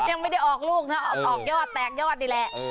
ยังไม่ได้ออกลูกนะออกยอดแตกยอดนี่แหละ